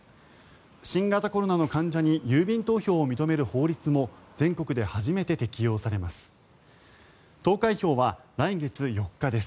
新型コロナの患者に郵便投票を認める法律も全国で初めて適用されます。